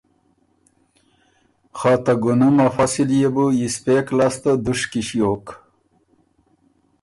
خه ته ګُنم ا فصل يې بو یِسپېک لاسته دُشکی ݭیوک۔